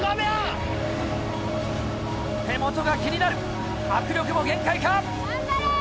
手元が気になる握力も限界か？